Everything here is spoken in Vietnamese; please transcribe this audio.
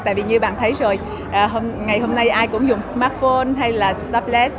tại vì như bạn thấy rồi ngày hôm nay ai cũng dùng smartphone hay là tablet